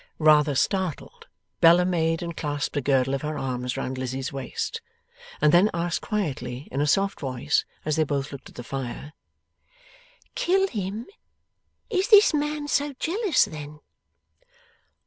Rather startled, Bella made and clasped a girdle of her arms round Lizzie's waist, and then asked quietly, in a soft voice, as they both looked at the fire: 'Kill him! Is this man so jealous, then?